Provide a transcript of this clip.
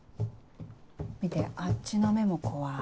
見てあっちの目も怖い。